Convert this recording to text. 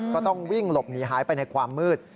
ก็ต้องวิ่งหลบหนีหายไปในความมืด